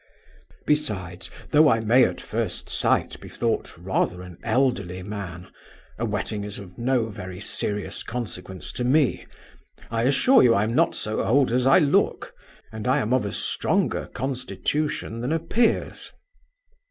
Besides, though I may at first sight be thought rather an elderly man, a wetting is of no very serious consequence to me. I assure you I am not so old as I look, and I am of a stronger constitution than appears.